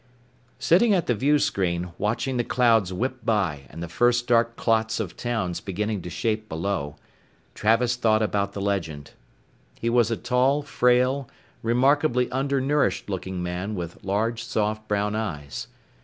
Sitting at the viewscreen, watching the clouds whip by and the first dark clots of towns beginning to shape below, Travis thought about the legend. He was a tall, frail, remarkably undernourished looking man with large soft brown eyes.